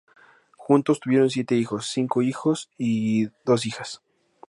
Juntos, tuvieron siete niños, cinco hijos y dos hijas.